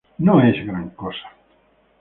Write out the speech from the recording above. No es gran cosa"".